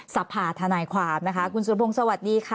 สรรพาทนายความคุณสุรพงษ์สวัสดีค่ะ